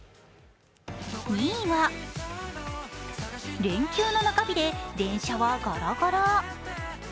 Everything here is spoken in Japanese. ２位は連休の中日で電車はガラガラ。